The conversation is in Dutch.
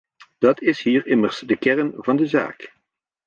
Dat is hier immers de kern van de zaak.